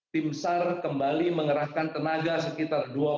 tim sar kembali mengerahkan tenaga sekitar dua juta